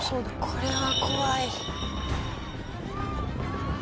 これは怖い。